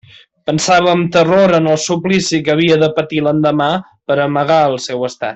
Pensava amb terror en el suplici que havia de patir l'endemà per a amagar el seu estat.